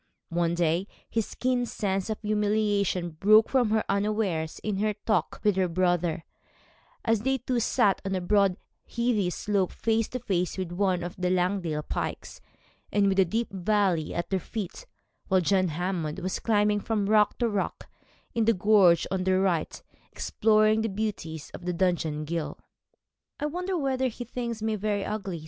One day this keen sense of humiliation broke from her unawares in her talk with her brother, as they two sat on a broad heathy slope face to face with one of the Langdale pikes, and with a deep valley at their feet, while John Hammond was climbing from rock to rock in the gorge on their right, exploring the beauties of Dungeon Ghyll. 'I wonder whether he thinks me very ugly?'